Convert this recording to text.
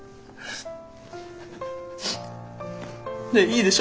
ねえいいでしょ